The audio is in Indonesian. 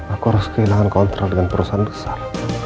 aku harus kehilangan kontrak dengan perusahaan besar